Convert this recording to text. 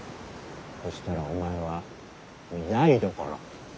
そしたらお前は御台所。